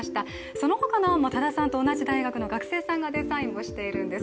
その他の案も多田さんと同じ大学の学生さんがデザインをしているんです。